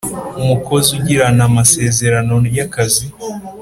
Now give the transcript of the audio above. Umukozi ugirana amasezerano y akazi